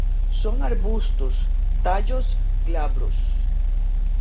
Son arbustos; tallos glabros.